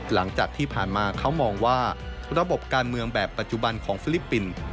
หลังจากที่ผ่านมาเขามองว่าระบบการเมืองแบบปัจจุบันของฟิลิปปินส์